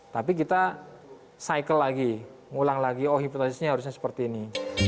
tapi kita cycle lagi ulang lagi oh hipotesisnya harusnya seperti ini